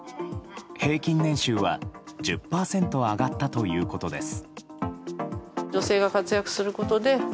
平均年収は１０％上がったということです。